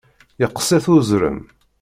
Yeqqes-it uzrem.